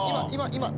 今！